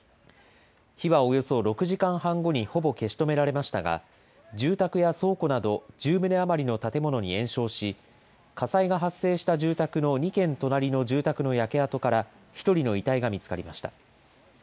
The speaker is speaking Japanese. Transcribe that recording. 火はおよそ６時半後にほぼ消し止められましたが、住宅や倉庫など１０棟余りの建物に延焼し、火災が発生した住宅の２軒隣の住宅の焼け跡から１人の遺体が見つかりました。